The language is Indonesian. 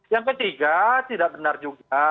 yang ketiga tidak benar juga